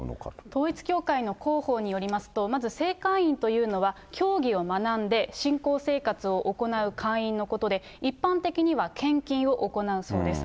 統一教会の広報によりますと、まず正会員というのは、教義を学んで、信仰生活を行う会員のことで、一般的には献金を行うそうです。